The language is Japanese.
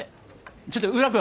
ちょっと宇良君？